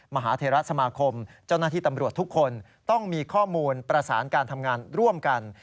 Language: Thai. มหาเทราสมาคมเจ้าหน้าที่ตำรวจทุกคนต้องมีข้อมูลประสานการทำงานร่วมกัน